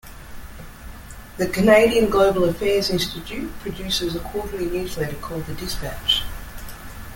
The Canadian Global Affairs Institute produces a quarterly newsletter called "The Dispatch".